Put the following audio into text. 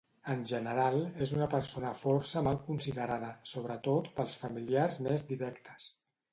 En general, és una persona força mal considerada, sobretot pels familiars més directes.